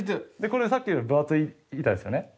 これさっきより分厚い板ですよね。